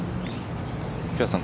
平瀬さん